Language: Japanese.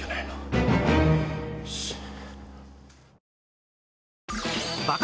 よし。